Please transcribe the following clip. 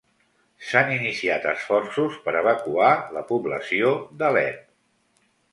S'han iniciat esforços per evacuar la població d'Alep.